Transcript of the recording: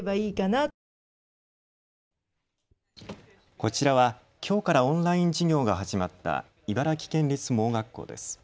こちらは、きょうからオンライン授業が始まった茨城県立盲学校です。